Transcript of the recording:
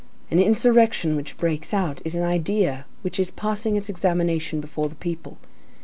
An insurrection which breaks out, is an idea which is passing its examination before the people.